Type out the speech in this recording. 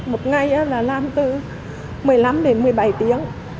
một ngày là làm từ một mươi năm đến một mươi bảy tiếng